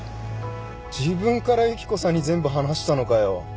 自分から由紀子さんに全部話したのかよ